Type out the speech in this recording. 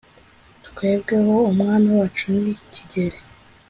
twebwe ho umwami wacu ni kigeli,